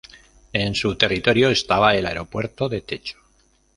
En su territorio estaba el Aeropuerto de Techo.